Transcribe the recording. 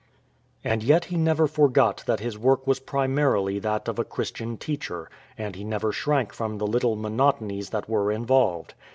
And yet he never forgot that his work was primarily that of a Christian teacher, and he never shrank from the little monotonies that were involved.